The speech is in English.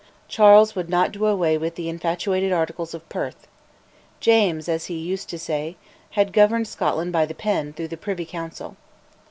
Charles would not do away with the infatuated Articles of Perth. James, as he used to say, had "governed Scotland by the pen" through his Privy Council.